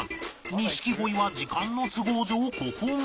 錦鯉は時間の都合上ここまで